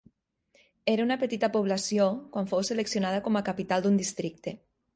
Era una petita població quan fou seleccionada com a capital d'un districte.